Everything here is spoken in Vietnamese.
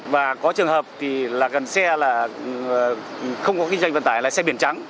và có trường hợp thì là gần xe là không có kinh doanh vận tải là xe biển trắng